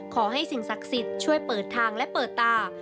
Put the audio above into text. ขอให้สิ่งศักดิ์สิทธิ์ช่วยเปิดทางและเปิดตา